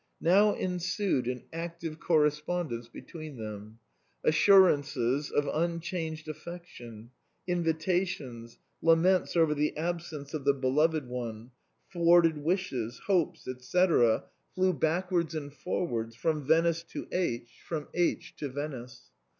Now ensued an active correspondence between them. Assurances of unchanged affection — invitations — laments over the absence of the beloved one — thwarted wishes — hopes, &c. — flew backwards and forwards from Venice to H , from H to Venice.